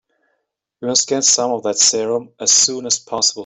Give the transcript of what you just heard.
We must get some of that serum as soon as possible.